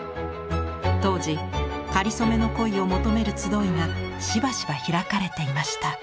当時かりそめの恋を求める集いがしばしば開かれていました。